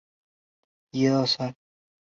威末酒制造商对他们的配方严格保密。